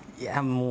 もう。